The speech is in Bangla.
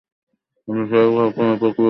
আপনি চাইলে ঘটনার প্রতিবেদন লিখতে পারেন।